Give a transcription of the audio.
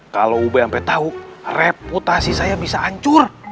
kalau ube sampe tahu reputasi saya bisa hancur